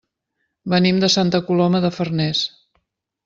Venim de Santa Coloma de Farners.